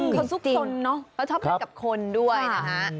เขาซุกสนเนอะเขาชอบเล่นกับคนด้วยนะฮะ